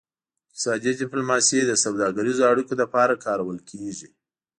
اقتصادي ډیپلوماسي د سوداګریزو اړیکو لپاره کارول کیږي